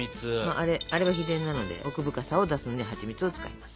あれは秘伝なので奥深さを出すのにはちみつを使います。